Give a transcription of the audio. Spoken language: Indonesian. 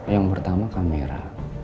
yang pertama kamera